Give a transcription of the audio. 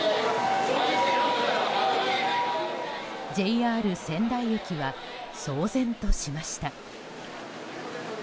ＪＲ仙台駅は騒然としました。